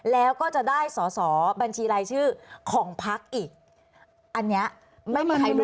แล้วก็จะได้สอสอบัญชีรายชื่อของพักอีกอันเนี้ยไม่มีใครรู้